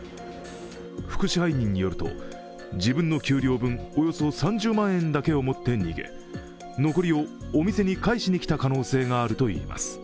副支配人によると、自分の給料分およそ３０万円だけを持って逃げ残りをお店に返しにきた可能性があるといいます。